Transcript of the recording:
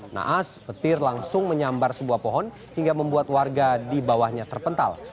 naas petir langsung menyambar sebuah pohon hingga membuat warga di bawahnya terpental